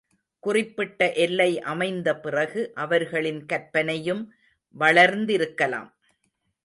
குறிப்பிட்ட எல்லை அமைந்த பிறகு, அவர்களின் கற்பனையும் வளர்ந்திருக்கலாம்.